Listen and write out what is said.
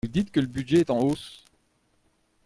Vous dites que le budget est en hausse.